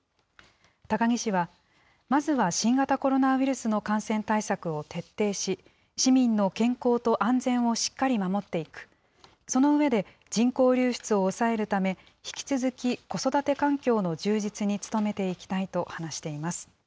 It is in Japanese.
高木氏は、まずは新型コロナウイルスの感染対策を徹底し、市民の健康と安全をしっかり守っていく、その上で、人口流出を抑えるため、引き続き子育て環境の充実に努めていきたいと話しています。